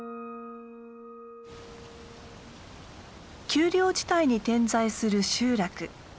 丘陵地帯に点在する集落。